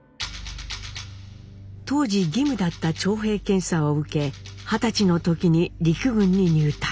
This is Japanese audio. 当時義務だった徴兵検査を受け二十歳の時に陸軍に入隊。